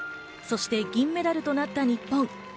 そして銀メダルとなった日本。